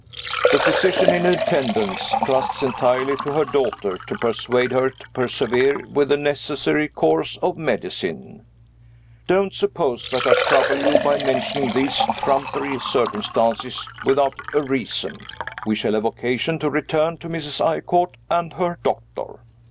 The physician in attendance trusts entirely to her daughter to persuade her to persevere with the necessary course of medicine. Don't suppose that I trouble you by mentioning these trumpery circumstances without a reason. We shall have occasion to return to Mrs. Eyrecourt and her doctor.